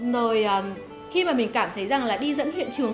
rồi khi mà mình cảm thấy rằng là đi dẫn hiện trường